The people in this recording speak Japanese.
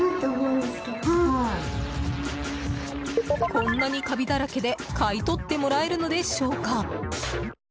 こんなにカビだらけで買い取ってもらえるのでしょうか。